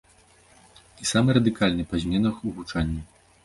І самы радыкальны па зменах у гучанні.